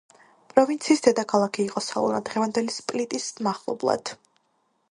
პროვინციის დედაქალაქი იყო სალონა, დღევანდელი სპლიტის მახლობლად.